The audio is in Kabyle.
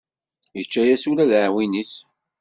Yečča-yas ula d aɛwin-is.